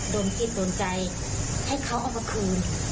จิตโดนใจให้เขาเอามาคืน